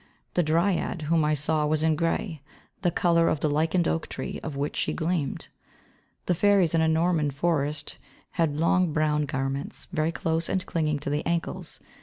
The Dryad whom I saw was in grey, the colour of the lichened oak tree out of which she gleamed. The fairies in a Norman forest had long brown garments, very close and clinging, to the ankles.